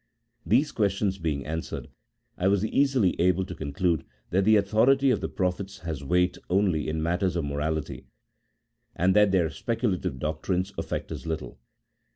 These questions being answered, I was easily able to con clude, that the authority of the prophets has weight only in matters of morality, and that their speculative doctrines affect us little.